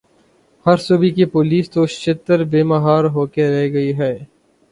ہر صوبے کی پولیس تو شتر بے مہار ہو کے رہ گئی ہے۔